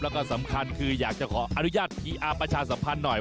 แล้วก็สำคัญคืออยากจะขออนุญาตพีอาร์ประชาสัมพันธ์หน่อย